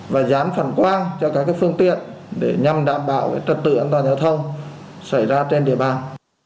và dán phản quang cho các phương tiện để nhằm đảm bảo trật tự an toàn giao thông xảy ra trên địa bàn